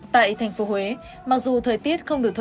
tại thành phố huế mặc dù thời tiết không được thử